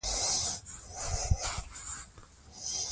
ملالۍ به بیا لنډۍ ویلې وې.